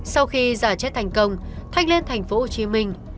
sau khi giả chết thành công thanh lên thành phố hồ chí minh